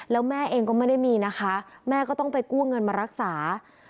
แล้วแม่เองก็ไม่ได้มีนะคะแม่ก็ต้องไปกู้เงินมารักษา